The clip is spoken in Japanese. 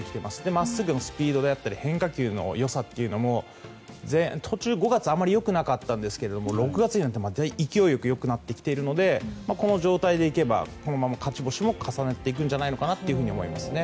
まっすぐのスピードであったり変化球の良さというのも途中、５月はあまり良くなかったんですが６月になって勢いが良くなってきているのでこの状態でいけばこのまま勝ち星も重なっていくと思いますね。